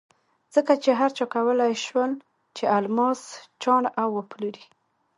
ځکه چې هر چا کولای شول چې الماس چاڼ او وپلوري.